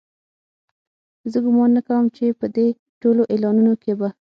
زه ګومان نه کوم چې په دې ټولو اعلانونو کې به.